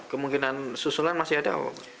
kemungkinan susulan masih ada